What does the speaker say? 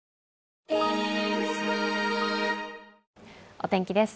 お天気です。